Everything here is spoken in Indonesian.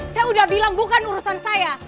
saya udah bilang bukan urusan saya